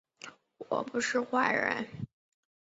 我不是坏人